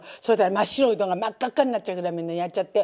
真っ白いうどんが真っ赤っかになっちゃうじゃないみんなやっちゃって。